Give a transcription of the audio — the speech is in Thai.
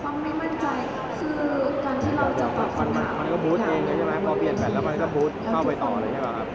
เขาไม่มั่นใจคือการที่เราจะฝ่าฟันมามันก็บูธเองใช่ไหมพอเปลี่ยนแท็ตแล้วมันก็บูธเข้าไปต่อเลยใช่ป่ะครับ